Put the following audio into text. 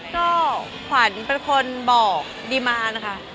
ก็ขวัญเป็นคนบอกดีมารนะคะ